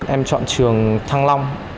em chọn trường thăng long